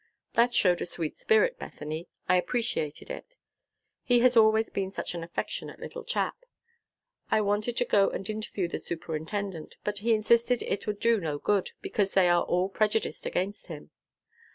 That showed a sweet spirit, Bethany. I appreciated it. He has always been such an affectionate little chap. I wanted to go and interview the superintendent; but he insisted it would do no good, because they are all prejudiced against him.